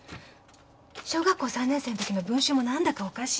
小学校３年生のときの文集もなんだかおかしい。